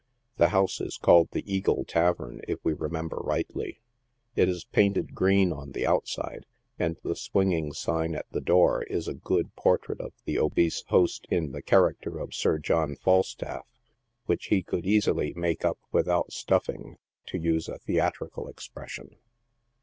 The house is called the Eagle Tavern, if we remember rightly. It is painted green on the outside, and the swinging sign at the door is a good portrait of the obese host, in the character of Sir John Falstaff, which he could easily make up " without stuffing," to use a theatri cal expression.